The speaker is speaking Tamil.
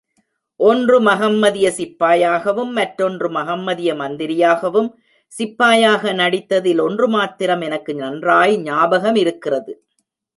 ஒன்று மகம்மதிய சிப்பாயாகவும் மற்றொன்று மகம்மதிய மந்திரியாகவும் சிப்பாயாக நடித்ததில் ஒன்று மாத்திரம் எனக்கு நன்றாய் ஞாபகமிருக்கிறது.